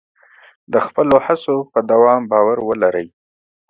د خپلو هڅو په دوام باور ولرئ.